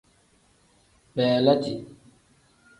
Beleeti.